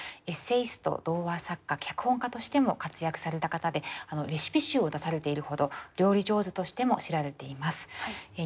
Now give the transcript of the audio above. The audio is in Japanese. エッセイスト童話作家脚本家としても活躍された方でレシピ集を出されているほど料理上手としても知られています。